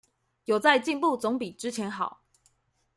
有在進步總比之前好